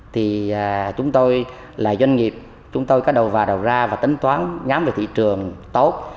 thì chúng tôi là doanh nghiệp chúng tôi có đầu vào đầu ra và tính toán nhắm về thị trường tốt